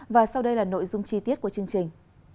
và sau đây là nội dung chi tiết của chương trình